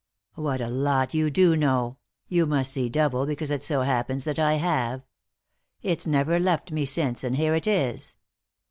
" What a lot you do know ; you must see double, because it so happens that I have. It's never left me since, and here it is."